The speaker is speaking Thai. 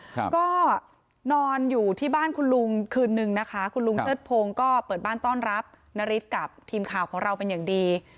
ครับก็นอนอยู่ที่บ้านคุณลุงคืนนึงนะคะคุณลุงเชิดพงศ์ก็เปิดบ้านต้อนรับนาริสกับทีมข่าวของเราเป็นอย่างดี